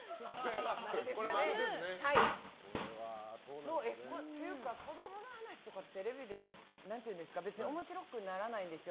これは○ですね。というか、子供の話とかテレビで別に面白くならないんですよ。